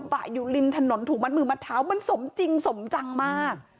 บะอยู่ริมถนนถูกมัดมือมัดเท้ามันสมจริงสมจังมาก